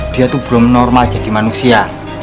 dia tuh belum normal jadi manusia